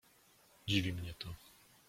Dziwi mnie to.